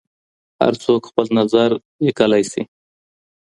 هر څوک خپل نظر لیکلای شي.